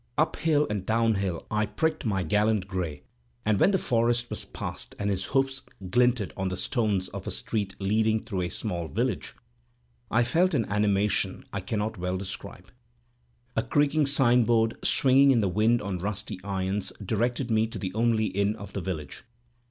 Up hill and down hill I pricked my gallant gray; and when the forest was past, and his hoofs glinted on the stones of a street leading through a small village, I felt an animation that I cannot well describe. A creaking signboard, swinging in the wind on rusty irons, directed me to the only inn of the village.